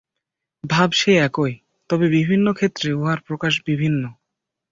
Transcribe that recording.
ভাব সেই একই, তবে বিভিন্ন ক্ষেত্রে উহার প্রকাশ বিভিন্ন।